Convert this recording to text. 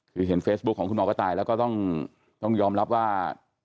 คือเห็นเฟซบุ๊คของคุณหมอกระต่ายแล้วก็ต้องยอมรับว่า